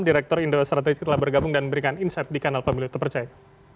direktur indosatelis telah bergabung dan berikan insight di kanal pemilu terpercaya